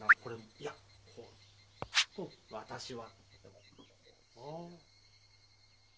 いや私は。